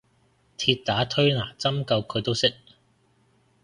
鐵打推拿針灸佢都識